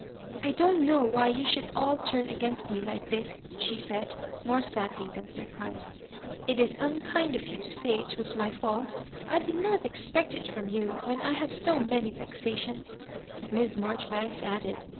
*'I don't know why you should all turn against me like this,'' she said, more sadly than surprised. " It is unkind of you to say it was my fiiult. I did not expect it from you, when I have so many vexations," Miss Marjoribanks added.